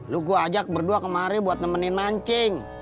lu gua ajak berdua kemari buat nemenin mancing